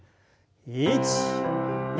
１２。